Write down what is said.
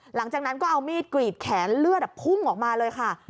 หลังจากนั้นก็เอามีดกรีดแขนเลือดพุ่งออกมาเลยค่ะ